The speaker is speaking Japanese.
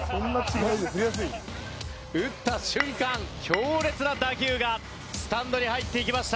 打った瞬間強烈な打球がスタンドに入っていきました。